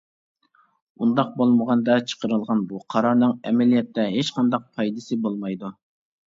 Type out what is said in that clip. ئۇنداق بولمىغاندا، چىقىرىلغان بۇ قارارنىڭ ئەمەلىيەتتە ھېچقانداق پايدىسى بولمايدۇ.